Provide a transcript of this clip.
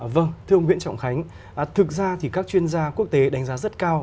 vâng thưa ông nguyễn trọng khánh thực ra thì các chuyên gia quốc tế đánh giá rất cao